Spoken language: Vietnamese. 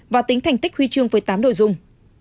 và tính thành tích huy chương với tám đội dung